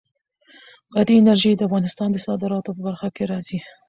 بادي انرژي د افغانستان د صادراتو په برخه کې راځي.